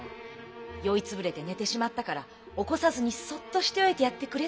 「酔い潰れて寝てしまったから起こさずにそっとしておいてやってくれ」